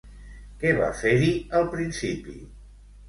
Què va fer-hi al principi?